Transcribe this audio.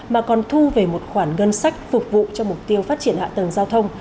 mà còn thu về một khoản ngân sách phục vụ cho mục tiêu phát triển hạ tầng giao thông